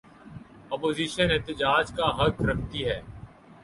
Opposition احتجاج کا حق رکھتی ہے۔